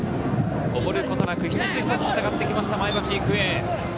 おごることなく、一つ一つ戦ってきました前橋育英。